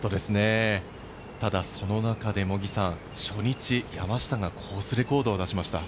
ただその中で初日、山下がコースレコードを出しました。